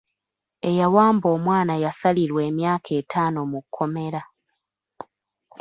Eyawamba omwana yasalirwa emyaka etaano mu kkomera.